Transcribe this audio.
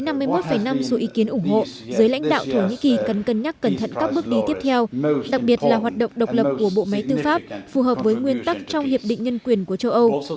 gajelang cho rằng với năm mươi một năm số ý kiến ủng hộ giới lãnh đạo thổ nhĩ kỳ cần cân nhắc cẩn thận các bước đi tiếp theo đặc biệt là hoạt động độc lập của bộ máy tư pháp phù hợp với nguyên tắc trong hiệp định nhân quyền của châu âu